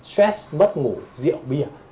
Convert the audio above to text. stress mất ngủ rượu bia